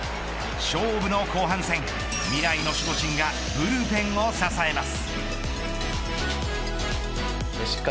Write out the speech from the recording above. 勝負の後半戦、未来の守護神がブルペンを支えます。